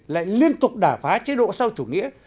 lại liên tục đả phá chế độ sao chủ nghĩa